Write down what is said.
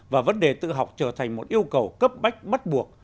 và vấn đề tự học trở thành một yêu cầu cấp bách bắt buộc